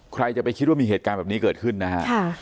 ใครจะไปคิดว่ามีเหตุการณ์แบบนี้เกิดขึ้นนะฮะ